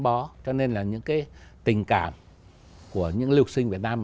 ở việt nam